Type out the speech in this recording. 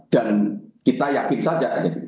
dan kita yakin saja